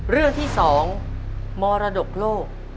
เรื่องที่๒มรดกโลก